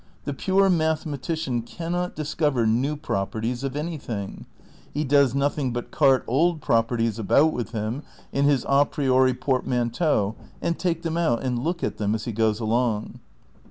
The pure mathematician cannot discover new properties of anything; he does nothing but cart old properties about with him in his a priori portmanteau and take them out and look at them as he goes along.